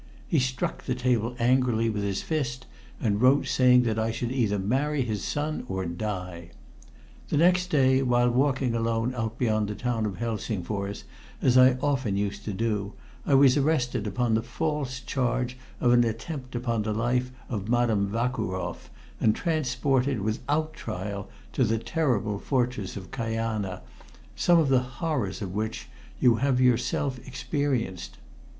He struck the table angrily with his fist and wrote saying that I should either marry his son or die. Then next day, while walking alone out beyond the town of Helsingfors, as I often used to do, I was arrested upon the false charge of an attempt upon the life of Madame Vakuroff and transported, without trial, to the terrible fortress of Kajana, some of the horrors of which you have yourself experienced.